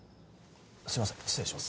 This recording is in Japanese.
すいません失礼します